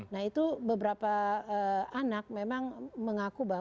nah itu beberapa anak memang mengaku bahwa